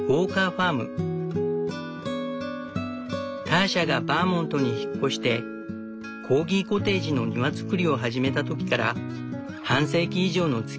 ターシャがバーモントに引っ越してコーギコテージの庭造りを始めた時から半世紀以上のつきあいになる。